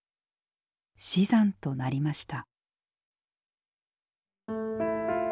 死産となりました。